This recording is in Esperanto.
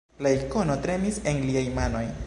La Ikono tremis en liaj manoj.